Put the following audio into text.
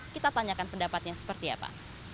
kita tanyakan pendapatnya seperti apa